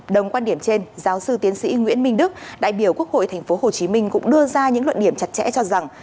đồng quan điểm trên giáo sư tiến sĩ nguyễn minh đức đại biểu quốc hội tp hcm cũng đưa ra những luận điểm chặt chẽ cho rằng